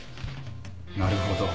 なるほど。